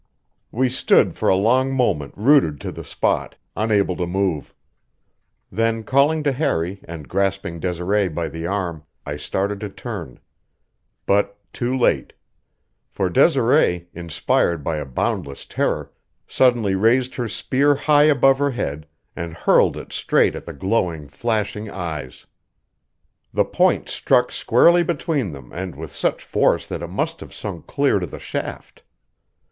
We stood for a long moment rooted to the spot, unable to move. Then, calling to Harry and grasping Desiree by the arm, I started to turn. But too late. For Desiree, inspired by a boundless terror, suddenly raised her spear high above her head and hurled it straight at the glowing, flashing eyes. The point struck squarely between them with such force that it must have sunk clear to the shaft.